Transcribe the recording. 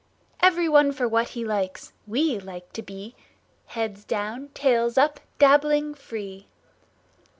Everyone for what he likes! We like to be Heads down, tails up, Dabbling free!